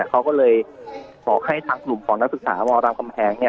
เขาก็เลยบอกให้ทางกลุ่มของนักศึกษามรามคำแหง